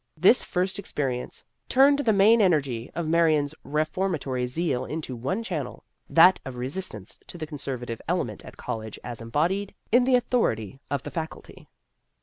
This first experience turned the main energy of Marion's reformatory zeal into one channel that of resistance to the conservative element at college as em bodied in the authority of the Faculty.